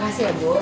makasih ya bu